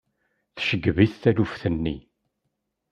Tceggeb-it taluft-nni.